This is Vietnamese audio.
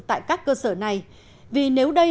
tại các cơ sở này vì nếu đây